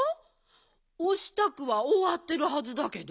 おしたくはおわってるはずだけど？